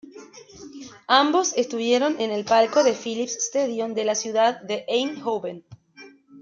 Ambos estuvieron en el palco de Philips Stadion de la ciudad de Eindhoven.